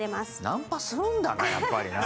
ナンパするんだなやっぱりな。